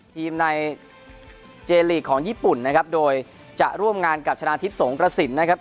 ทีมในเจลีกของญี่ปุ่นนะครับโดยจะร่วมงานกับชนะทิพย์สงกระสินนะครับ